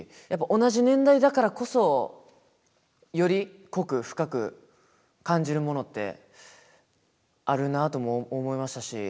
やっぱ同じ年代だからこそより濃く深く感じるものってあるなとも思いましたし。